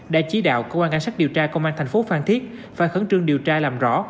đã chỉ đạo cơ quan an sát điều tra công an thành phố phan thiết phải khẩn trương điều tra làm rõ